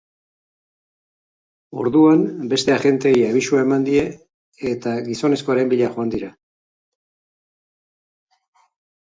Orduan, beste agenteei abisua eman die, eta gizonezkoaren bila joan dira.